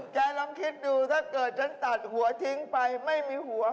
ลองคิดดูถ้าเกิดฉันตัดหัวทิ้งไปไม่มีหัว